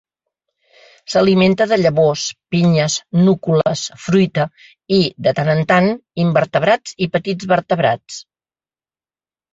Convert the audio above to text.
S'alimenta de llavors, pinyes, núcules, fruita i, de tant en tant, invertebrats i petits vertebrats.